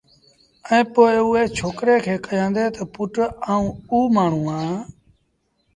ائيٚݩ پو اُئي ڇوڪري کي ڪيآݩدي تا پُٽ آئوݩ اُ مآڻهوٚٚݩ اَهآݩ